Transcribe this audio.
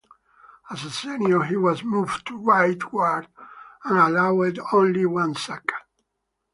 As a senior, he was moved to right guard and allowed only one sack.